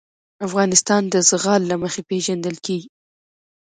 افغانستان د زغال له مخې پېژندل کېږي.